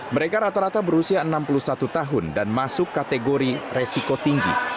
mereka rata rata berusia enam puluh satu tahun dan masuk kategori resiko tinggi